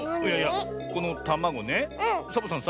このたまごねサボさんさ